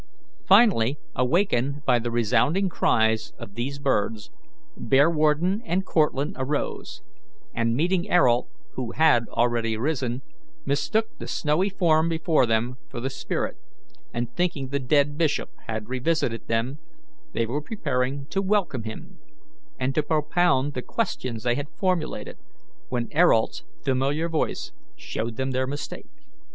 Finally, wakened by the resounding cries of these birds, Bearwarden and Cortlandt arose, and meeting Ayrault, who had already risen, mistook the snowy form before them for the spirit, and thinking the dead bishop had revisited them, they were preparing to welcome him, and to propound the questions they had formulated, when Ayrault's familiar voice showed them their mistake.